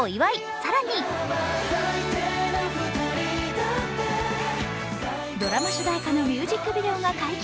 更にドラマ主題歌のミュージックビデオが解禁。